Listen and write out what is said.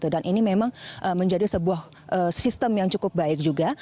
dan ini memang menjadi sebuah sistem yang cukup baik juga